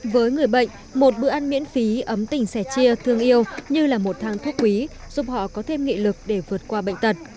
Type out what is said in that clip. với người bệnh một bữa ăn miễn phí ấm tình sẻ chia thương yêu như là một thang thuốc quý giúp họ có thêm nghị lực để vượt qua bệnh tật